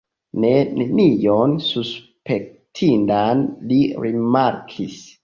Ne, nenion suspektindan li rimarkis.